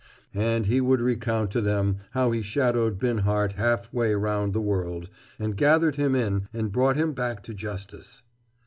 And he would recount to them how he shadowed Binhart half way round the world, and gathered him in, and brought him back to Justice.